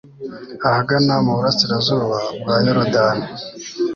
ahagana mu burasirazuba bwa Yorodani